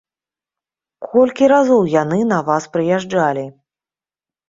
Колькі разоў яны на вас прыязджалі?